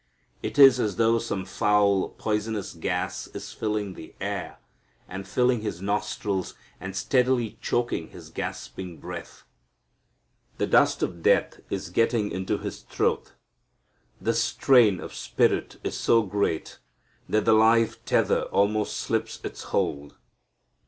It is as though some foul, poisonous gas is filling the air and filling His nostrils and steadily choking His gasping breath. The dust of death is getting into His throat. The strain of spirit is so great that the life tether almost slips its hold.